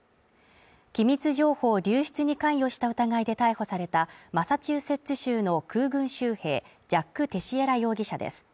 機密情報流出に関与した疑いで逮捕されたマサチューセッツ州の空軍州兵ジャック・テシエラ容疑者です。